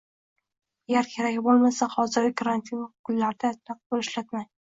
agar kerak bo'lmasa, hozirgi karantin kunlarida naqd pul ishlatmang